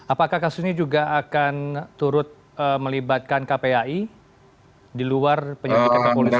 apakah kasus ini juga akan turut melibatkan kpai di luar penyelidikan kepolisian